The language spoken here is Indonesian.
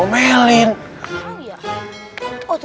dl mudah amat